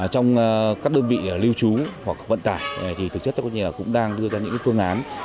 trong các đơn vị lưu trú hoặc vận tải thì thực chất cũng đang đưa ra những phương án